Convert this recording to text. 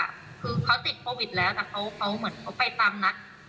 คือเขาติดโควิดแล้วแต่เขาเหมือนเขาไปตามนัด